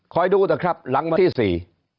คอยดูนะครับหลังเมื่อที่๔